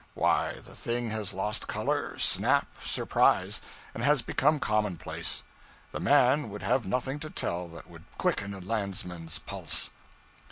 Why, the thing has lost color, snap, surprise; and has become commonplace. The man would have nothing to tell that would quicken a landsman's pulse.